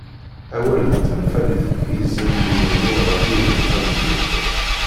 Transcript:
Awal d tenfalit d yizen d umennuɣ ɣef yizerfan n tmeṭṭut.